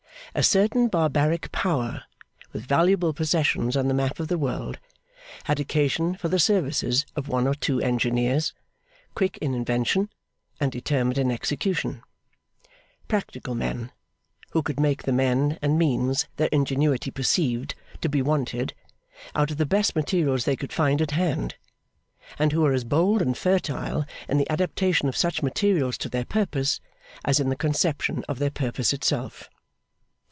A certain barbaric Power with valuable possessions on the map of the world, had occasion for the services of one or two engineers, quick in invention and determined in execution: practical men, who could make the men and means their ingenuity perceived to be wanted out of the best materials they could find at hand; and who were as bold and fertile in the adaptation of such materials to their purpose, as in the conception of their purpose itself.